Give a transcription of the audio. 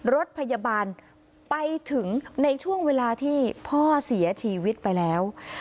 รถพยาบาลไปถึงในช่วงเวลาที่พ่อเสียชีวิตไปแล้ว